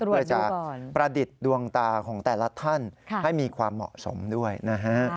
เพื่อจะประดิษฐ์ดวงตาของแต่ละท่านให้มีความเหมาะสมด้วยนะฮะ